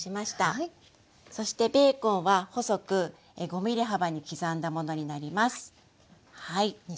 そしてベーコンは細く５ｍｍ幅に刻んだものになります。